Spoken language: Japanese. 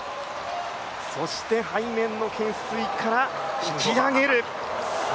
そして背面の懸垂から引き上げる。